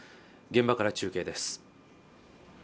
現場から中継です